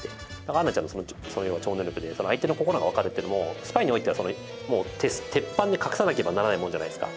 アーニャちゃんの超能力で相手の心がわかるっていうのもスパイにおいてはもう鉄板で隠さなければならないものじゃないですか。